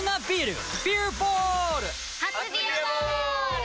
初「ビアボール」！